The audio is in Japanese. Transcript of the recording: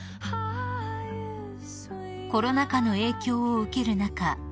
［コロナ禍の影響を受ける中